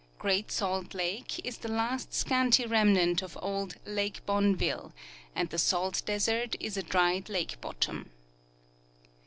Great Salt lake is the last scanty remnant of old " Lake Bonneville," and the Salt desert is a dried lake bottom.